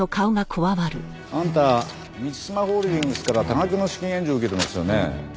あんた満島ホールディングスから多額の資金援助受けてますよね。